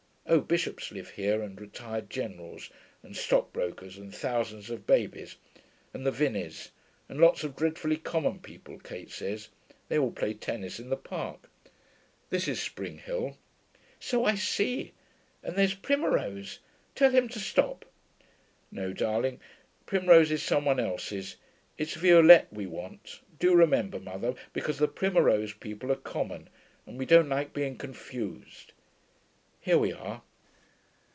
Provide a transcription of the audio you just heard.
Oh, bishops live here, and retired generals, and stockbrokers, and thousands of babies. And the Vinneys. And lots of dreadfully common people, Kate says. They all play tennis in the Park. This is Spring Hill.' 'So I see. And there's Primmerose. Tell him to stop.' 'No, darling, Primmerose is some one else's. It's Violette we want; do remember, mother, because the Primmerose people are common, and we don't like being confused. Here we are.'